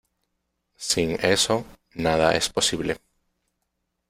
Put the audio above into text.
Sin eso, nada es posible.